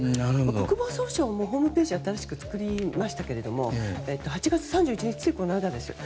国防総省もホームページを新しく作りましたけれど８月３１日、ついこの間です。